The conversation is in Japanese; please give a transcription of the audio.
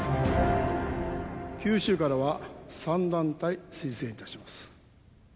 九州からは３団体推薦いたします。